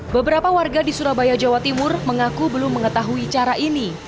beberapa warga di surabaya jawa timur mengaku belum mengetahui cara ini